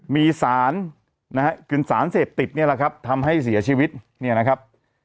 มีสารนะฮะคือสารเสพติดเนี่ยแหละครับทำให้เสียชีวิตเนี่ยนะครับ